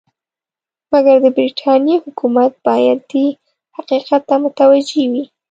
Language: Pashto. مګر د برټانیې حکومت باید دې حقیقت ته متوجه وي.